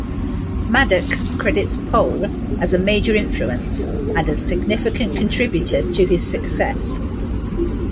Maddux credits Pole as a major influence, and a significant contributor to his success.